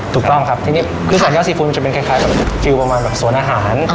ถูกต้องครับที่นี่คือแสนยอดซีฟู้ดมันจะเป็นคล้ายฟิวในเมืองประมาณสวนอาหาร